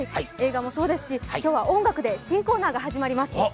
映画もそうですし、今日は音楽で新コーナーが始まります。